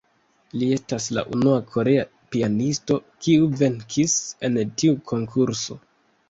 Li estas la unua korea pianisto, kiu venkis en tiu Konkurso.